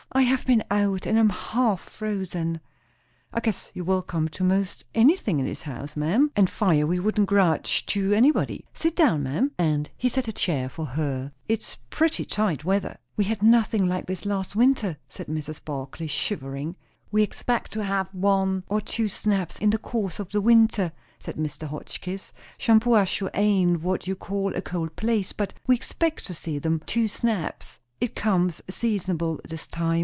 I have been out, and I am half frozen." "I guess you're welcome to most anything in this house, ma'am, and fire we wouldn't grudge to anybody. Sit down, ma'am;" and he set a chair for her. "It's pretty tight weather." "We had nothing like this last winter," said Mrs. Barclay, shivering. "We expect to hev one or two snaps in the course of the winter," said Mr. Hotchkiss. "Shampuashuh ain't what you call a cold place; but we expect to see them two snaps. It comes seasonable this time.